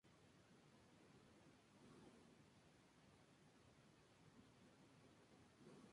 El lecho es de cantos rodados y arena de grano oscuro y grueso.